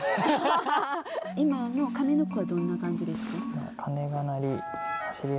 今の上の句はどんな感じですか？